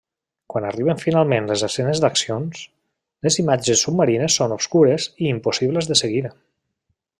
Quan arriben finalment les escenes d'accions, les imatges submarines són obscures i impossibles de seguir.